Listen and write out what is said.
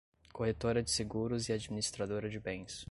Corretora de Seguros e Administradora de Bens